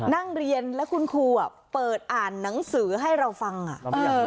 นั่งเรียนแล้วคุณครูเปิดอ่านหนังสือให้เราฟังอ่ะ